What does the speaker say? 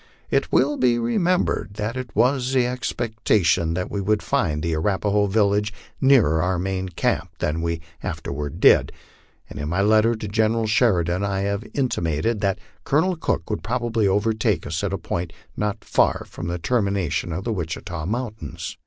It will be remembered that it was the expectation that we would find the Arapaho village nearer our main camp than we afterward did, and in my letter to General Sheridan I had intimated that Colonel Cook would probably overtake us at a point not far from the termination of the TVitchita mountains.